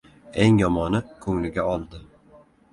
Eng yomoni ko‘ngliga oldi!